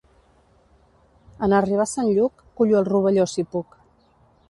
En arribar Sant Lluc, cullo el rovelló si puc.